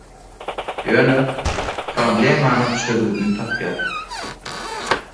Ýöne problemanyň çözgüdini tapýar.